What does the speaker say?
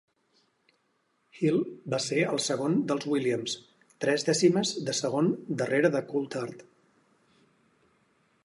Hill va ser el segon dels Williams, tres dècimes de segon darrere de Coulthard.